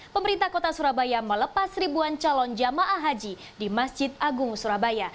pemerintah kota surabaya melepas ribuan calon jamaah haji di masjid agung surabaya